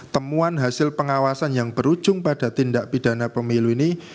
temuan hasil pengawasan yang berujung pada tindak pidana pemilu ini